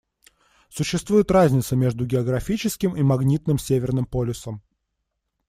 Существует разница между географическим и магнитным Северным полюсом.